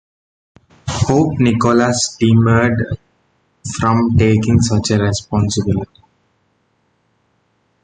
Pope Nicholas demurred from taking such a responsibility.